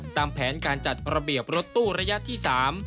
ตามแผนการจัดระเบียบรถตู้ระยะที่๓